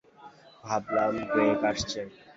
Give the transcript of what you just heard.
ভাবলাম গ্রেগ আসছে।